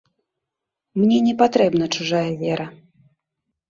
Мне не патрэбна чужая вера.